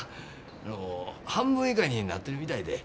あの半分以下になってるみたいで。